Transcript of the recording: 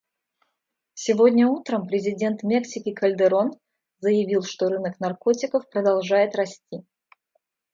Сегодня утром президент Мексики Кальдерон заявил, что рынок наркотиков продолжает расти.